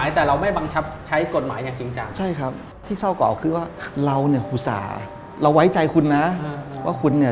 แน่นอนครับมีกล้องแต่ไม่หมดเลยครับ